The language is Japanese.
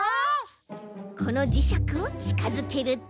このじしゃくをちかづけると。